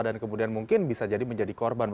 dan kemudian mungkin bisa jadi menjadi korban